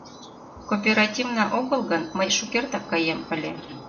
Кооперативна огыл гын, мый шукертак каем ыле.